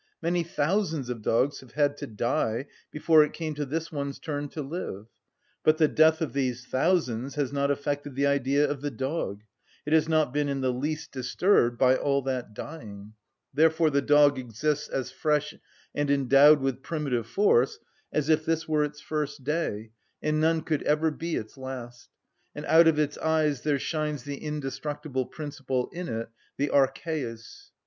Many thousands of dogs have had to die before it came to this one's turn to live. But the death of these thousands has not affected the Idea of the dog; it has not been in the least disturbed by all that dying. Therefore the dog exists as fresh and endowed with primitive force as if this were its first day and none could ever be its last; and out of its eyes there shines the indestructible principle in it, the archæus.